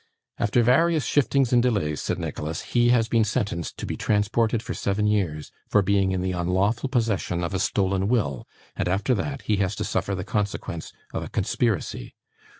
'After various shiftings and delays,' said Nicholas, 'he has been sentenced to be transported for seven years, for being in the unlawful possession of a stolen will; and, after that, he has to suffer the consequence of a conspiracy.